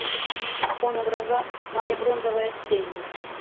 Фон абраза мае бронзавае адценне.